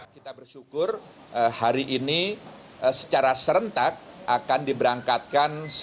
kita bersyukur hari ini secara serentak akan diberangkatkan